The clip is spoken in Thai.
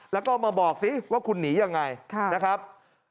แล้วก็มาบอกสิว่าคุณหนียังไงนะครับ